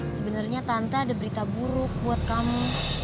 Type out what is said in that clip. sebenarnya tante ada berita buruk buat kamu